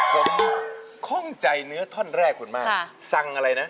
ผมค่องใจเนื้อท่อนแรกคุณมากค่ะ